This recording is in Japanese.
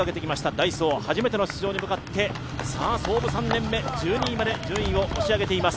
ダイソ−初めての出場に向かって創部３年目、１２位まで順位を押し上げています。